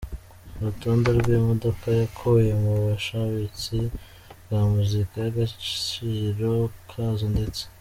urutonde rwimodoka yakuye mu bushabitsi bwa muzika nagaciro kazo ndetse.